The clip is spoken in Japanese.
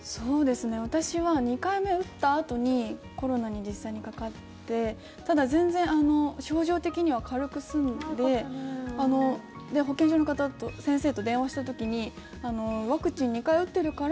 私は２回目を打ったあとにコロナに実際にかかってただ、全然症状的には軽く済んで保健所の方先生と電話した時にワクチンを２回打ってるから